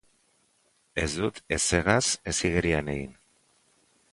Ezin dut ez hegaz, ez igerian egin.